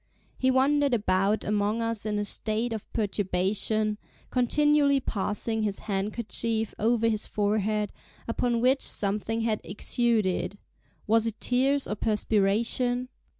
He wandered about among us in a state of perturbation, continually passing his handkerchief over his forehead, upon which something had exuded—was it tears or perspiration?